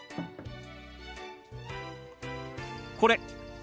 これ。